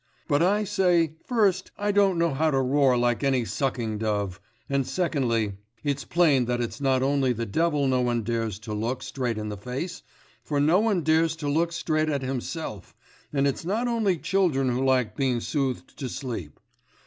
But I say, first, I don't know how to roar like any sucking dove; and secondly, it's plain that it's not only the devil no one dares to look straight in the face, for no one dares to look straight at himself, and it's not only children who like being soothed to sleep.